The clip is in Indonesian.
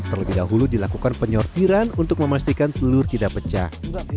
terlebih dahulu dilakukan penyortiran untuk memastikan telur tidak pecah